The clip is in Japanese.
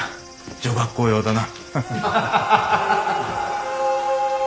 女学校用だな。